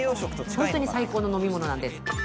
ホントに最高の飲み物なんです。